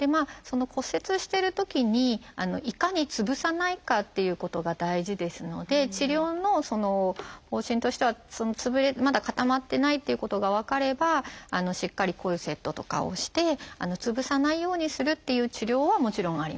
骨折してるときにいかにつぶさないかっていうことが大事ですので治療の方針としてはまだ固まってないということが分かればしっかりコルセットとかをしてつぶさないようにするという治療はもちろんあります。